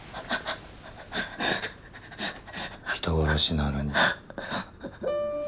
人殺しなのに。